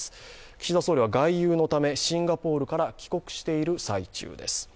岸田総理は外遊のため、シンガポールから帰国している最中です。